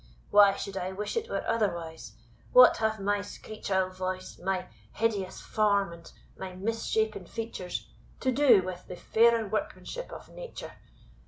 Why should I wish it were otherwise? What have my screech owl voice, my hideous form, and my mis shapen features, to do with the fairer workmanship of nature?